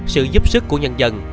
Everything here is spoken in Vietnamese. sự giúp sức của nhân dân